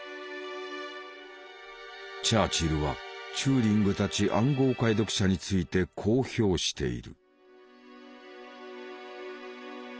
チャーチルはチューリングたち暗号解読者についてこう評している。